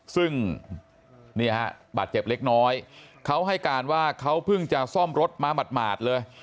ซึ่งเนี่ยฮะบาดเจ็บเล็กน้อยเขาให้การว่าเขาเพิ่งจะซ่อมรถมาหมาดเลย